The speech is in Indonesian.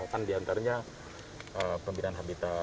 kan diantaranya pembinan habitat